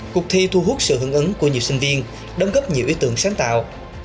cuộc thi thu hút sự hứng ứng của nhiều sinh viên đóng góp nhiều ý tưởng sáng tạo